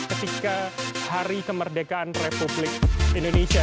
ketika hari kemerdekaan republik indonesia